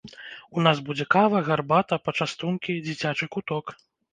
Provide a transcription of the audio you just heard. У нас будзе кава, гарбата, пачастункі, дзіцячы куток.